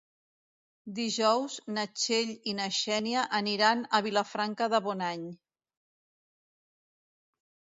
Dijous na Txell i na Xènia aniran a Vilafranca de Bonany.